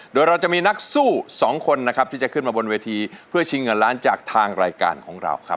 โดยเราจะมีนักสู้สองคนนะครับที่จะขึ้นมาบนเวทีเพื่อชิงเงินล้านจากทางรายการของเราครับ